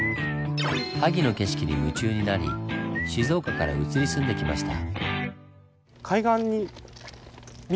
萩の景色に夢中になり静岡から移り住んできました。